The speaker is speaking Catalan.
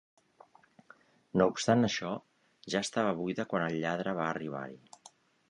No obstant això, ja estava buida quan el lladre va arribar-hi.